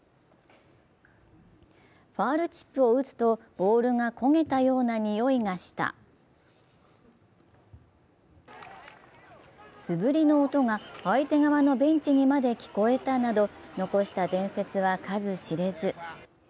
ファウルチップを打つとボールが焦げたようなにおいがした、素振りの音が相手側のベンチにまで聞こえたなど残した伝説は数知れず。